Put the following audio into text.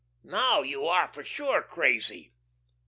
"Now you are for sure crazy."